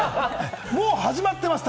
もう始まってます。